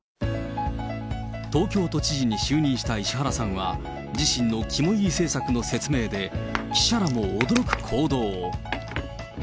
東京都知事に就任した石原さんは、自身の肝煎り政策の説明で、記者らも驚く行動を。